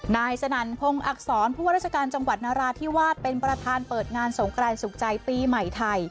นายสนั่นพงศ์อักษรผู้ว่าราชการจังหวัดนราธิวาสเป็นประธานเปิดงานสงกรานสุขใจปีใหม่ไทย